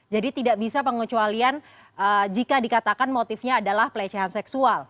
jadi tidak bisa pengecualian jika dikatakan motifnya adalah pelecehan seksual